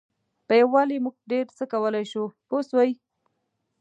په یووالي موږ ډېر څه کولای شو پوه شوې!.